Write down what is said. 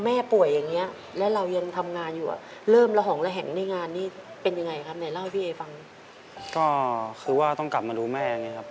พอแม่ป่วยอย่างนี้แล้วเรายังทำงานอยู่เริ่มระห่องระแห่งในงานนี่เป็นยังไงครับ